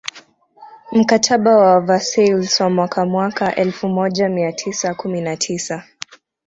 Mkataba wa Versailles wa mwaka mwaka elfumoja mia tisa kumi na tisa